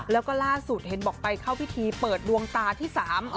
แล้วก็ล่าสุดเห็นบอกไปเข้าพิธีเปิดดวงตาที่สาม